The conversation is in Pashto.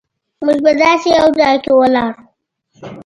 موږ په داسې یو ځای کې ولاړ وو.